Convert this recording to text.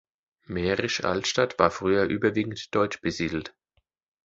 Mährisch Altstadt war früher überwiegend deutsch besiedelt.